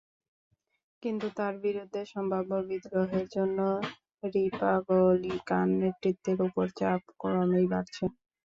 কিন্তু তাঁর বিরুদ্ধে সম্ভাব্য বিদ্রোহের জন্য রিপাবলিকান নেতৃত্বের ওপর চাপ ক্রমেই বাড়ছে।